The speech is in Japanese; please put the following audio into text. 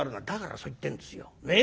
「だからそう言ってんですよ。